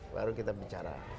baru kita bicara